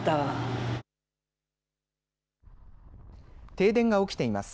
停電が起きています。